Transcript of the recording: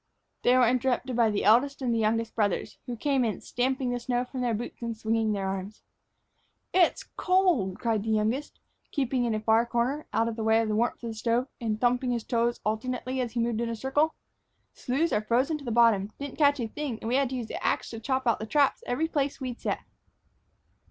They were interrupted by the eldest and the youngest brothers, who came in, stamping the snow from their boots and swinging their arms. "Gee! it's cold!" cried the youngest, keeping in a far corner, out of way of the warmth from the stove, and thumping his toes alternately as he moved in a circle. "Sloughs are frozen to the bottom. Didn't catch a thing, and had to use the ax to chop out the traps every place we'd set."